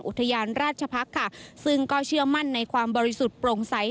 อุทยานราชพักษ์ค่ะซึ่งก็เชื่อมั่นในความบริสุทธิ์โปร่งใส